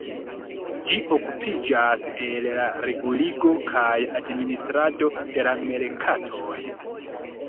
Ĝi okupiĝas el la reguligo kaj administrado de la merkatoj.